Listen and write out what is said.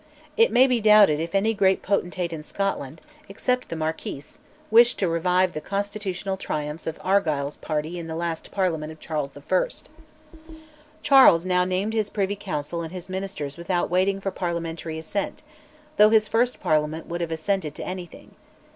It may be doubted if any great potentate in Scotland except the Marquis wished to revive the constitutional triumphs of Argyll's party in the last Parliament of Charles I. Charles now named his Privy Council and Ministers without waiting for parliamentary assent though his first Parliament would have assented to anything.